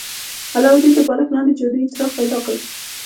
علاوالدین د بالښت لاندې جادويي څراغ پیدا کړ.